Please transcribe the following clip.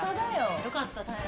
良かったです。